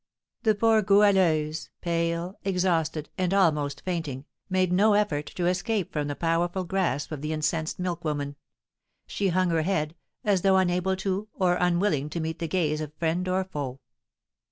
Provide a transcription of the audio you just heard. The poor Goualeuse, pale, exhausted, and almost fainting, made no effort to escape from the powerful grasp of the incensed milk woman; she hung her head, as though unable or unwilling to meet the gaze of friend or foe.